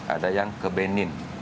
ada yang kebenin